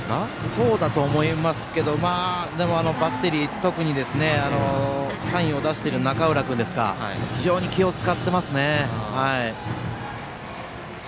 そうだと思いますけどでも、バッテリー特にサインを出している中浦君は非常に気を使っていますね。